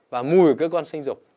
và mùi của cơ quan sinh dục